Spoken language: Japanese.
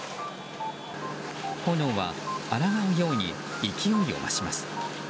炎は抗うように勢いを増します。